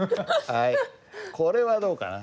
これはどうかな？